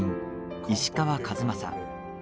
石川数正。